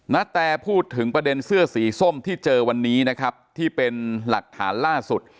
นาแตพูดถึงประเด็นเสื้อสีส้มที่เจอวันนี้นะครับที่เป็นหลักฐานล่าสุด